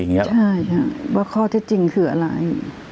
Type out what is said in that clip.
ใช่ว่าข้อที่จริงคืออะไร